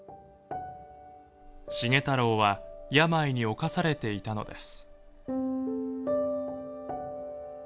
繁太郎は病に侵されていたのです。